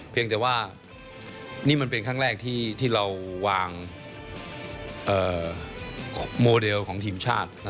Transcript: เพียงแต่ว่านี่มันเป็นครั้งแรกที่เราวางโมเดลของทีมชาติ